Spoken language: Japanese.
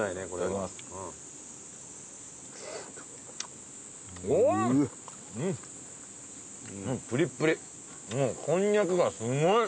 もうこんにゃくがすごい。